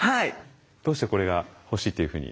どうしてこれが欲しいというふうに。